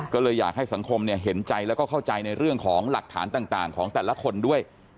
ก็เลยอยากให้สังคมเห็นใจแล้วก็เข้าใจในเรื่องของหลักฐานต่างของแต่ละคนด้วย